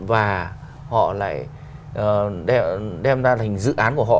và họ lại đem ra thành dự án của họ